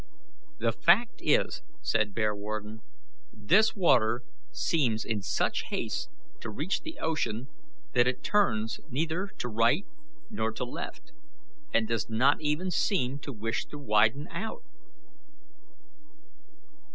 "The fact is," said Bearwarden, "this water seems in such haste to reach the ocean that it turns neither to right nor to left, and does not even seem to wish to widen out."